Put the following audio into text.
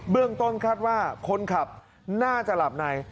เรื่องต้นคาดว่าคนขับน่าจะหลับใน